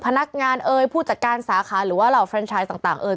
พนักงานเอ่ยผู้จัดการสาขาหรือว่าเหล่าเฟรนชายต่างเอ่ย